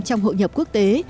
trong hội nhập quốc tế